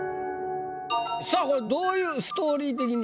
さぁこれどういうストーリー的には。